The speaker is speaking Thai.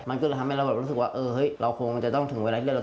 มันก็คือทำให้เราเจอว่าเราคาวจนจะต้องเหล่านี้เราต้องแยกกัน